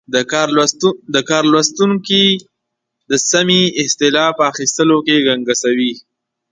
دا کار لوستونکی د سمې اصطلاح په اخیستلو کې ګنګسوي.